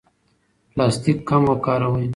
پلاستیک کم وکاروئ.